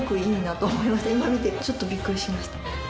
今見てちょっとびっくりしました。